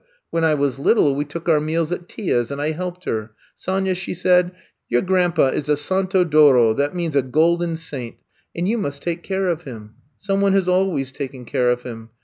When I was little we took our meals at Tia's and I helped her. ...* Sonya,' she said, *your grandpa is a Santo d'Oro, that means a golden saint, and you must take care of him. Some one has al ways taken care of him.